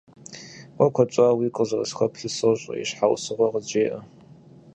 Уэ куэд щӏауэ уигу къызэрысхуэплъыр сощӏэ, и щхьэусыгъуэр къызжеӏэ.